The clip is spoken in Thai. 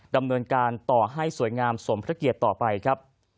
ดำเนินการต่อให้สวยงามสมพระเกียรติต่อไปครับ